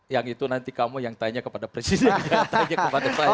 yang itu nanti kamu yang tanya kepada presiden jangan tanya kepada saya